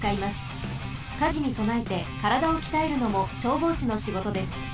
火事にそなえてからだをきたえるのも消防士の仕事です。